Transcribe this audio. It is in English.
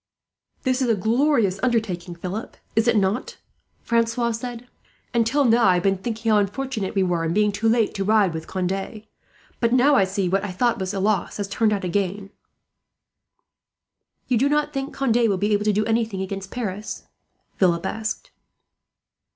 "This is a glorious undertaking, Philip, is it not?" Francois said. "Until now I have been thinking how unfortunate we were, in being too late to ride with Conde. Now I see that what I thought was a loss has turned out a gain." "You do not think Conde will be able to do anything against Paris?" Philip asked.